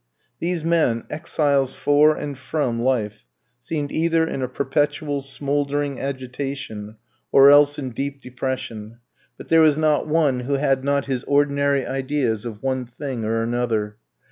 These men, exiles for and from life, seemed either in a perpetual smouldering agitation, or else in deep depression; but there was not one who had not his ordinary ideas of one thing or another.